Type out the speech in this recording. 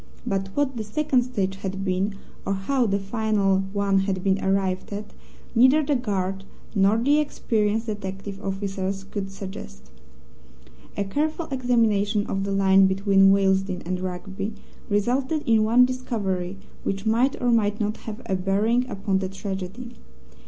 But what the second stage had been, or how the final one had been arrived at, neither the guard nor the experienced detective officers could suggest. A careful examination of the line between Willesden and Rugby resulted in one discovery which might or might not have a bearing upon the tragedy.